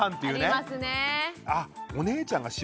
ありますね。